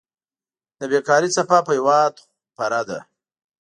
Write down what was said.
د بيکاري څپه په هېواد خوره ده.